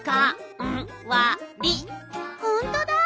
ほんとだ！